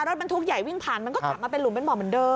รถบรรทุกใหญ่วิ่งผ่านมันก็กลับมาเป็นหลุมเป็นบ่อเหมือนเดิ